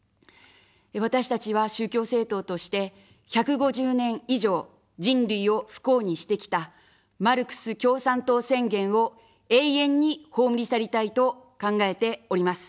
私たちは宗教政党として、１５０年以上、人類を不幸にしてきたマルクス共産党宣言を永遠に葬り去りたいと考えております。